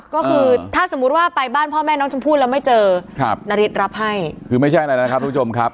ก็คือถ้าสมมุติว่าไปบ้านพ่อแม่น้องชมพู่แล้วไม่เจอครับนาริสรับให้คือไม่ใช่อะไรนะครับทุกผู้ชมครับ